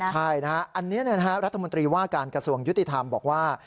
ใช่นะฮะอันนี้รัฐมนตรีว่าการกระทรวงยุติธรรมบอกว่า